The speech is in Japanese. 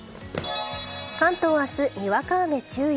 関東は明日にわか雨注意。